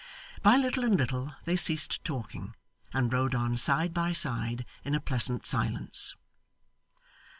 By little and little they ceased talking, and rode on side by side in a pleasant silence.